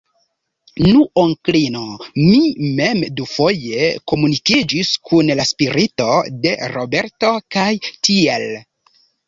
Nu, onklino, mi mem dufoje komunikiĝis kun la spirito de Roberto, kaj tiel.